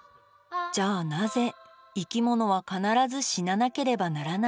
じゃあなぜ生き物は必ず死ななければならないのか。